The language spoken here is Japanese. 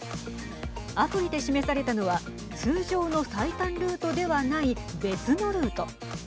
アプリで示されたのは通常の最短ルートではない別のルート。